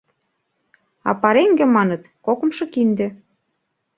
А пареҥге, маныт, кокымшо кинде.